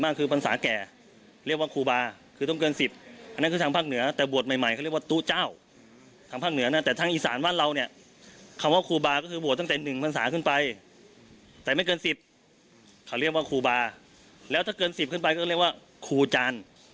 เขาเรียกว่าครูบาแล้วถ้าเกินสิบขึ้นไปก็เรียกว่าครูจาน